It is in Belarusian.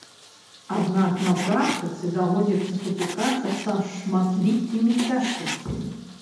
Аднак на практыцы даводзіцца сутыкацца са шматлікімі цяжкасцямі.